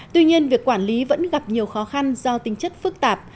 tuy nhiên việc quản lý vẫn gặp nhiều khó khăn do tính chất phức tạp